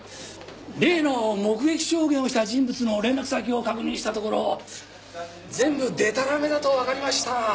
例の目撃証言をした人物の連絡先を確認したところ全部デタラメだとわかりました。